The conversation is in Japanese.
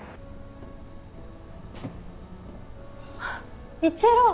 あっ一狼！